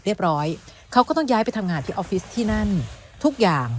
เรียบร้อยเขาก็ต้องย้ายไปทำงานที่ออฟฟิศที่นั่นทุกอย่าง